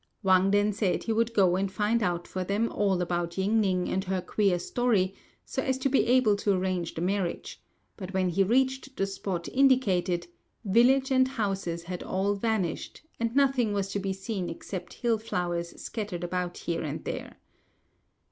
Wang then said he would go and find out for them all about Ying ning and her queer story, so as to be able to arrange the marriage; but when he reached the spot indicated, village and houses had all vanished, and nothing was to be seen except hill flowers scattered about here and there.